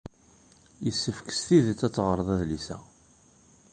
Yessefk s tidet ad teɣreḍ adlis-a.